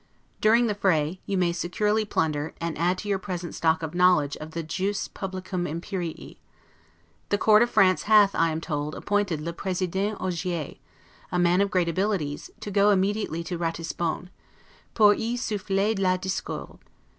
During the fray, you may securely plunder, and add to your present stock of knowledge of the 'jus publicum imperii'. The court of France hath, I am told, appointed le President Ogier, a man of great abilities, to go immediately to Ratisbon, 'pour y souffler la discorde'.